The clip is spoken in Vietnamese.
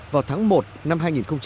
vào tháng một năm hai nghìn một mươi chín